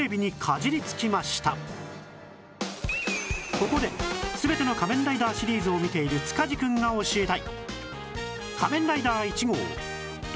ここで全ての『仮面ライダー』シリーズを見ている塚地くんが教えたい